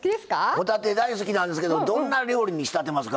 帆立て大好きなんですけどどんな料理に仕立てますか？